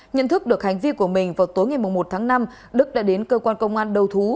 nhận thức được hành vi của mình vào tối ngày một tháng năm đức đã đến cơ quan công an đầu thú